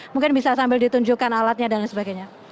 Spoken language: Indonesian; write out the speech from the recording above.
mungkin bisa sambil ditunjukkan alatnya dan lain sebagainya